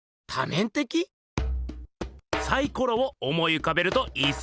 サイコロを思いうかべるといいっす。